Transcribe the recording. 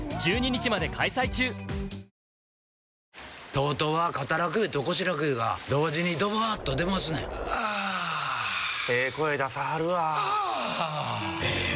ＴＯＴＯは肩楽湯と腰楽湯が同時にドバーッと出ますねんあええ声出さはるわあええ